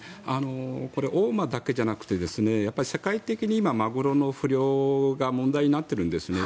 大間だけじゃなくて世界的に今、マグロの不漁が問題になっているんですね。